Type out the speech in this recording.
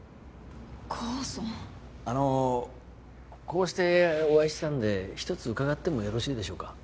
あのこうしてお会いしたので一つ伺ってもよろしいでしょうか？